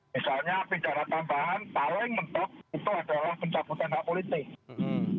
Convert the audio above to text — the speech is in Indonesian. misalnya pidana tambahan paling mentok itu adalah pencabutan hak politik